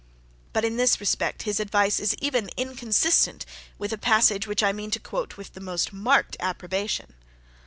But in this respect his advice is even inconsistent with a passage which I mean to quote with the most marked approbation.